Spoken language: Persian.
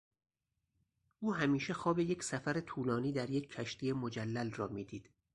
او همیشه خواب یک سفر طولانی در یک کشتی مجلل را میدید.